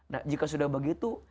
nah jika sudah begitu